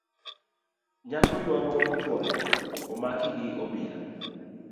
Nyako yuago chuore omaki gi obila